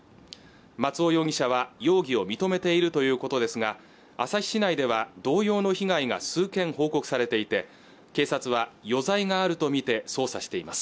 松尾容疑者は容疑を認めているということですが旭市内では同様の被害が数件報告されていて警察は余罪があるとみて捜査しています